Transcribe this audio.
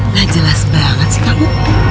nah jelas banget sih kamu